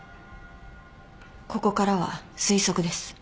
ここからは推測です。